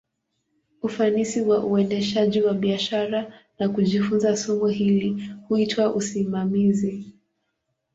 Ufanisi wa uendeshaji wa biashara, na kujifunza somo hili, huitwa usimamizi.